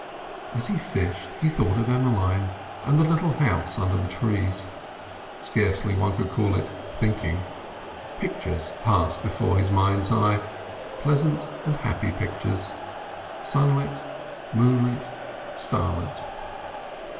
As he fished he thought of Emmeline and the little house under the trees. Scarcely one could call it thinking. Pictures passed before his mind's eye—pleasant and happy pictures, sunlit, moonlit, starlit.